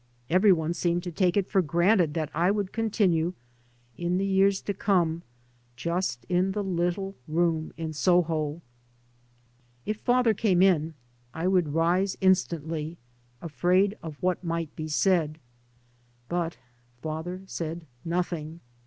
Every one seemed to take it for granted that I would continue, in the 3 by Google MY MOTHER AND I years to come — just in the little room in Soho» If father came in, I would rise instantly, afraid of what might be said. But father said nothing.